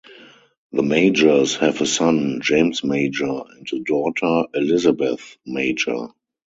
The Majors have a son, James Major, and a daughter, Elizabeth Major.